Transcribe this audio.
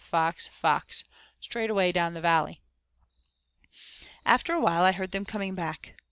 fox! fox! straight away down the valley." After awhile I heard them coming back.